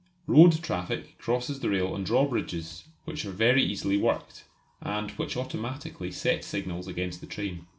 Road traffic crosses the rail on drawbridges, which are very easily worked, and which automatically set signals against the train.